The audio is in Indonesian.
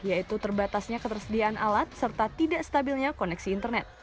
yaitu terbatasnya ketersediaan alat serta tidak stabilnya koneksi internet